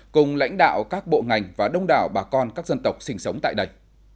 cùng lãnh đạo các bộ ngành và đông đảo bà con các dân tộc sinh sống tại đây